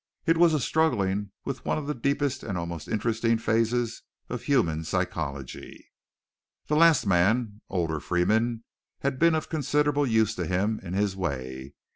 It was a struggling with one of the deepest and most interesting phases of human psychology. The last man, Older Freeman, had been of considerable use to him in his way.